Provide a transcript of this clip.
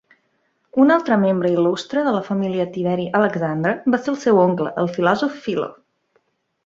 Un altre membre il·lustre de la família de Tiberi Alexandre va ser el seu oncle, el filòsof Philo.